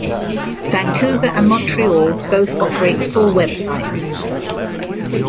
Vancouver and Montreal both operate full websites.